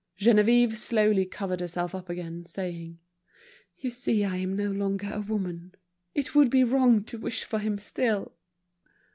Geneviève slowly covered herself up again, saying: "You see I am no longer a woman. It would be wrong to wish for him still!"